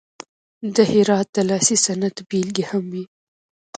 د هرات د لاسي صنعت بیلګې هم وې.